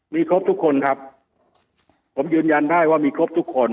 มีครบทุกคนครับผมยืนยันได้ว่ามีครบทุกคน